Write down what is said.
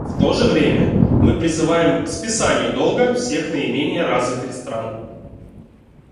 В то же время мы призываем к списанию долга всех наименее развитых стран.